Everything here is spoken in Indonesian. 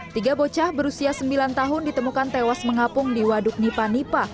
tiga bocah berusia sembilan tahun ditemukan tewas mengapung di waduk nipa nipa